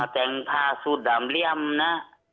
แต่งผ้าสูตรดำเลี่ยมนะ